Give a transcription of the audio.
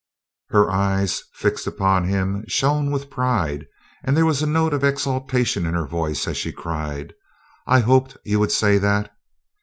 Her eyes, fixed upon him, shone with pride, and there was a note of exultation in her voice as she cried: "I hoped you would say that!"